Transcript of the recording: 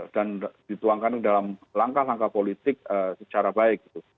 dan dituangkan dalam langkah langkah politik secara baik gitu